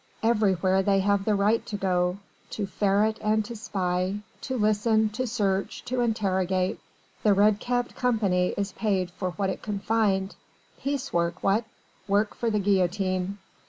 Everywhere they have the right to go! to ferret and to spy, to listen, to search, to interrogate the red capped Company is paid for what it can find. Piece work, what? Work for the guillotine!